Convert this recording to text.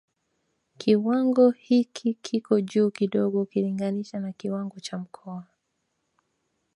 Kiwango hiki kiko juu kidogo ukilinginisha na kiwango cha Mkoa